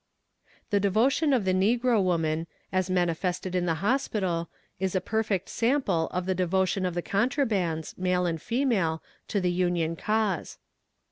The devotion of the negro woman, as manifested in the hospital, is a perfect sample of the devotion of the contrabands, male and female, to the Union cause.